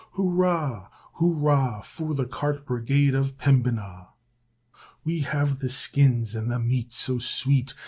Hurrah, hurrah for the cart brigade of Pembinah! We have the skins and the meat so sweet.